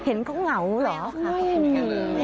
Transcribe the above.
เห็นเขาเหงาหรอค่ะไม่มี